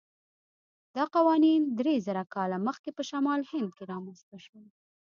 دا قوانین درېزره کاله مخکې په شمالي هند کې رامنځته شول.